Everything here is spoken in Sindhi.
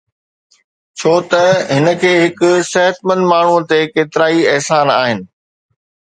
ڇوته هن کي هڪ صحتمند ماڻهوءَ تي ڪيترائي احسان آهن